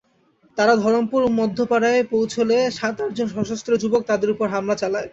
তাঁরা ধরমপুর মধ্যপাড়ায় পৌঁছলে সাত-আটজন সশস্ত্র যুবক তাঁদের ওপর হামলা চালায়।